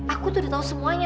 aku tuh udah tahu semuanya